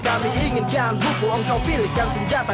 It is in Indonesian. kami inginkan buku engkau pilihkan senjata